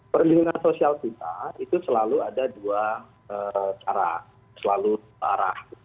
perlindungan sosial kita itu selalu ada dua arah